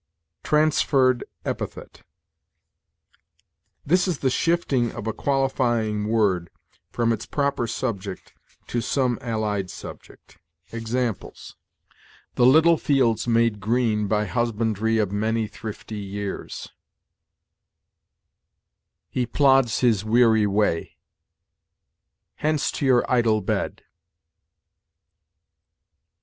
TRANSFERRED EPITHET. This is the shifting of a qualifying word from its proper subject to some allied subject. Examples: "The little fields made green By husbandry of many thrifty years." "He plods his weary way." "Hence to your idle bed!"